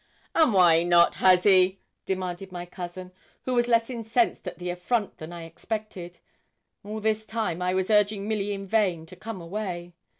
'And why not, huzzy?' demanded my cousin, who was less incensed at the affront than I expected. All this time I was urging Milly in vain to come away.